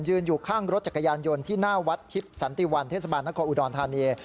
อยู่ข้างรถจักรยานยนต์ที่หน้าวัดทิพย์สันติวันเทศบาลนครอุดรธานี